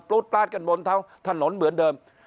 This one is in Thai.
ปลู๊ดปลาดกันบนเท้าถนนเหมือนเดิม